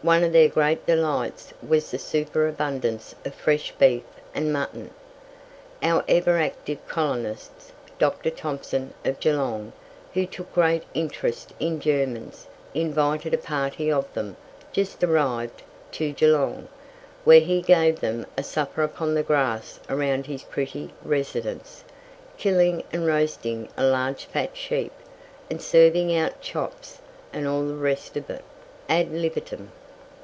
One of their great delights was the superabundance of fresh beef and mutton. Our ever active colonist, Dr. Thomson, of Geelong, who took great interest in Germans, invited a party of them, just arrived, to Geelong, where he gave them a supper upon the grass around his pretty residence, killing and roasting a large fat sheep, and serving out chops, and all the rest of it, ad libitum.